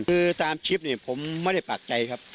คือตามคลิปเนี่ยผมไม่ได้ปากใจครับ